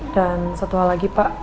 dan satu hal lagi